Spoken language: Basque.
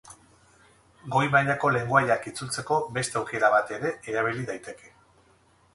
Goi mailako lengoaiak itzultzeko beste aukera bat ere erabili daiteke.